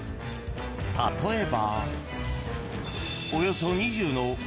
［例えば］